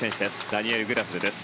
ダニエル・グラスル。